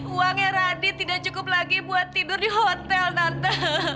uangnya radi tidak cukup lagi buat tidur di hotel tante